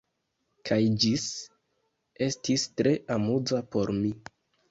Kaj ĝi estis tre amuza por mi.